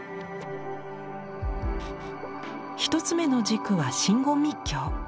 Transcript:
一つ目の軸は真言密教。